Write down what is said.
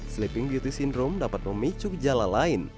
sleeping beauty syndrome dapat memicu gejala lain